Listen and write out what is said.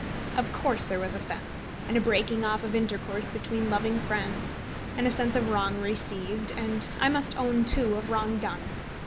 Of course there was offence, and a breaking off of intercourse between loving friends, and a sense of wrong received, and I must own, too, of wrong done.